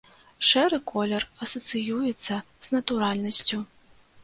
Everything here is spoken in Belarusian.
Шэры колер асацыюецца з натуральнасцю.